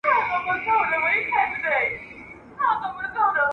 ملتونه د بیان ازادۍ لپاره څه کوي؟